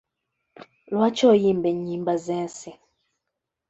Lwaki oyimba ennyimba z'ensi?